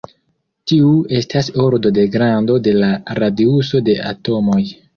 Tiu estas ordo de grando de la radiuso de atomoj.